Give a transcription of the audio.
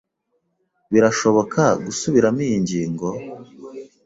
Birashoboka gusubiramo iyi ngingo?